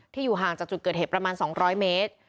อยู่ห่างจากจุดเกิดเหตุประมาณ๒๐๐เมตร